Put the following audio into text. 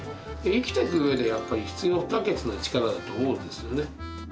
生きていく上でやっぱり必要不可欠な力だと思うんですよね。